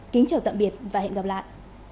kính chào tạm biệt và hẹn gặp lại